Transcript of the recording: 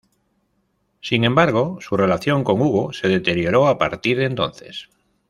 Sin embargo, su relación con Hugo se deterioró a partir de entonces.